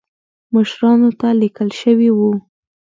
مشرانو ته لیکل شوي وو.